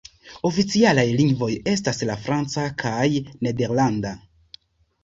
Oficialaj lingvoj estas la franca kaj la nederlanda.